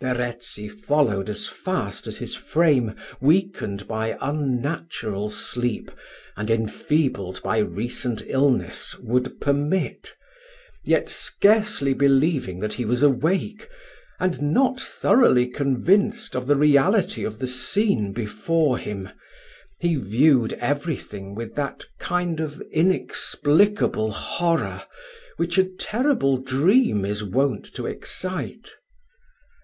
Verezzi followed as fast as his frame, weakened by unnatural sleep, and enfeebled by recent illness, would permit; yet, scarcely believing that he was awake, and not thoroughly convinced of the reality of the scene before him, he viewed every thing with that kind of inexplicable horror, which a terrible dream is wont to excite.